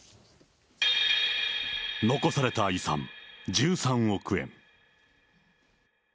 残された遺産、１３億円。